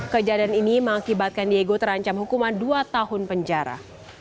kejadian ini mengakibatkan diego terancam hukuman dua tahun penjara